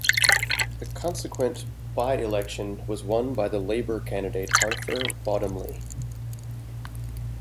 The consequent by-election was won by the Labour candidate Arthur Bottomley.